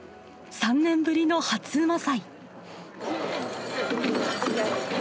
３年ぶりの初午祭。